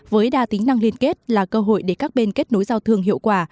với đa tính năng liên kết là cơ hội để các bên kết nối giao thương hiệu quả